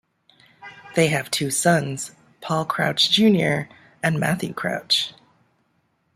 They have two sons, Paul Crouch, Junior and Matthew Crouch.